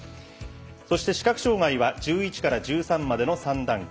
そして視覚障がいは１１から１３までの３段階